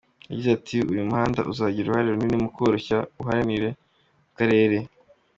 Yagize ati "Uyu muhanda uzagira uruhare runini mu koroshya ubuhahirane mu karere.